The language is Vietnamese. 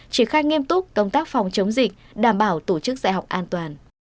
triển khai nghiêm túc công tác phòng chống dịch đảm bảo tổ chức dạy học an toàn